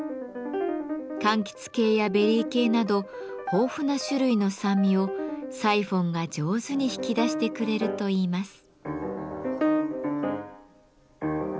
かんきつ系やベリー系など豊富な種類の酸味をサイフォンが上手に引き出してくれるといいます。